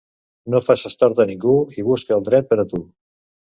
No faces tort a ningú i busca el dret per a tu.